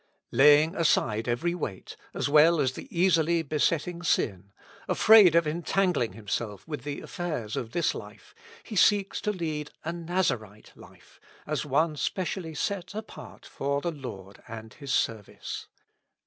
Laying aside every weight, as well as the easily besetting sin, afraid of entangling himself with the affairs of this life, he seeks to lead a Nazarite life, as one specially set apart for the Lord and His service.